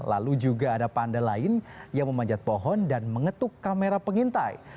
lalu juga ada panda lain yang memanjat pohon dan mengetuk kamera pengintai